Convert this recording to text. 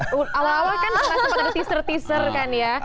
awal awal kan saya nonton pada teaser teaser kan ya